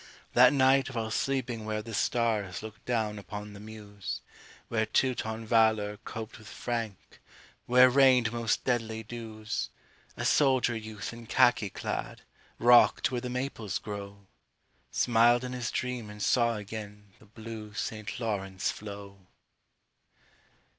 That night while sleeping where the stars Look down upon the Meuse, Where Teuton valor coped with Frank, Where rained most deadly dews, A soldier youth in khaki clad, Rock'd where the Maples grow, Smiled in his dream and saw again The blue St. Lawrence flow.